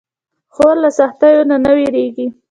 خور له سختیو نه نه وېریږي.